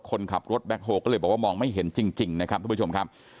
คนขับรถแบ็คโฮก็เลยบอกว่ามองไม่เห็นจริงนะครับทุกผู้ชมครับ